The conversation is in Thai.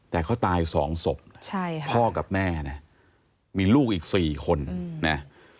แต่เขาตายสองศพใช่ค่ะพ่อกับแม่น่ะมีลูกอีกสี่คนอืมน่ะ